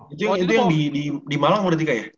itu yang di malang berarti kak ya